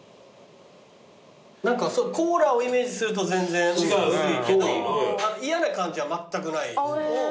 何かコーラをイメージすると全然薄いけど嫌な感じはまったくない。